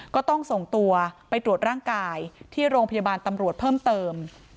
ก็ต้องส่งตัวไปตรวจร่างกายที่โรงพยาบาลตำรวจเพิ่มเติม